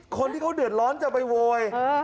คนที่เขาเดือดร้อนจะไปโวย